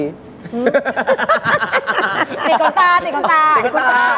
ติดกล้องตาติดกล้องตา